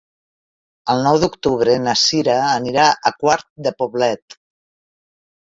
El nou d'octubre na Sira anirà a Quart de Poblet.